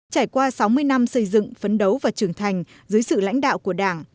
trải qua sáu mươi năm xây dựng phấn đấu và trưởng thành dưới sự lãnh đạo của đảng